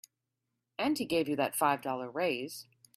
And he gave you that five dollar raise.